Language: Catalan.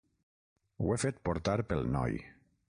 Ho he fet portar pel noi.